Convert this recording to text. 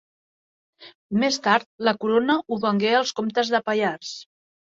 Més tard, la corona ho vengué als comtes de Pallars.